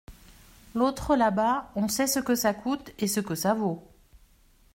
L’autre là-bas, on sait ce que ça coûte, et ce que ça vaut !…